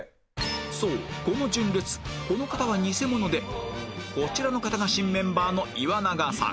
そうこの人物この方はニセモノでこちらの方が新メンバーの岩永さん